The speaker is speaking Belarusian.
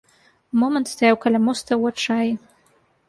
Момант стаяў каля моста ў адчаі.